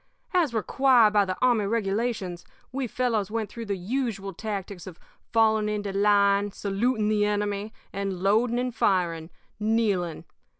As required by the army regulations, we fellows went through the usual tactics of falling into line, saluting the enemy, and loading and firing, kneeling.